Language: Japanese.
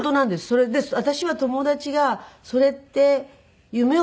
それで私は友達が「それって夢を見たんだよね？」